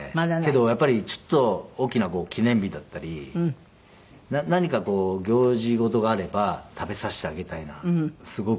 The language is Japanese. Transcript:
けどやっぱりちょっと大きな記念日だったり何かこう行事ごとがあれば食べさせてあげたいなって。